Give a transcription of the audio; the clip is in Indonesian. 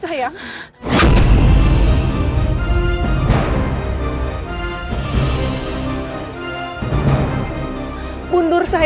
mbak andien dari mana